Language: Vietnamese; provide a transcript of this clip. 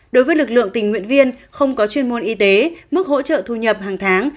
đối với lực lượng tình nguyện viên không có chuyên môn y tế mức hỗ trợ thu nhập hàng tháng